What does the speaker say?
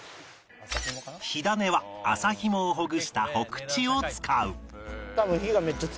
火種は麻ひもをほぐした火口を使う